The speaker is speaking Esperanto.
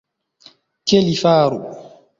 Ke li faru.